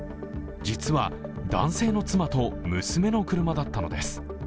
実は、男性の妻と娘の車だったのです。